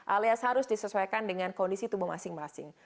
alias harus disesuaikan dengan kondisi tubuh masing masing